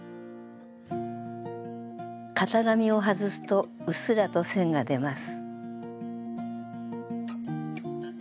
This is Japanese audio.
型紙を外すとうっすらと線が出ます。